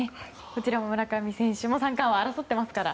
こちらも村上選手も三冠王、争ってますから。